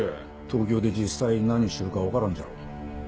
東京で実際何しちょるか分からんじゃろ？